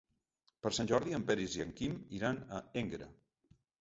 Per Sant Jordi en Peris i en Quim iran a Énguera.